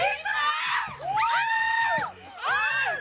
ไอฟอร์น